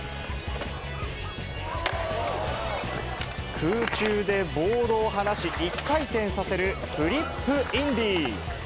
空中でボードを離し、１回転させるフリップインディ。